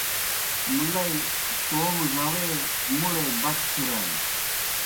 مُلئی توموْ ڙاوے مُڑے بک پِرانیْ۔